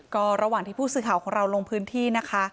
ก็ระหว่างที่ผู้สื่อข่าวของเราลงพื้นที่นะคะ